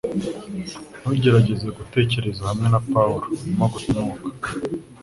Ntugerageze gutekereza hamwe na Pawulo - urimo guta umwuka